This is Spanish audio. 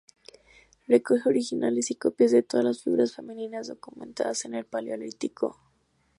Recoge originales y copias de todas las figuras femeninas documentadas en el Paleolítico.